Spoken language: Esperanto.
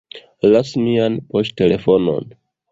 Lasu mian poŝtelefonon